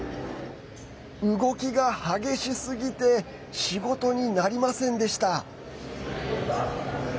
動きが激しすぎて仕事になりませんでした。